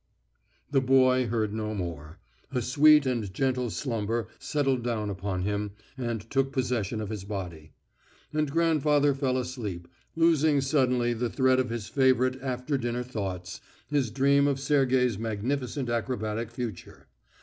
The boy heard no more. A sweet and gentle slumber settled down upon him and took possession of his body. And grandfather fell asleep, losing suddenly the thread of his favourite after dinner thoughts, his dream of Sergey's magnificent acrobatic future.